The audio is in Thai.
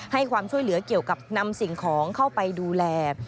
ให้ความช่วยเหลือเกี่ยวกับนำสิ่งของเข้าไปดูแล